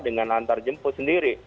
dengan antar jemput sendiri